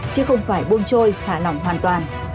chứ không phải buông trôi thả lỏng hoàn toàn